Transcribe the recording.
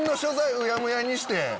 うやむやにして。